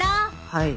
はい。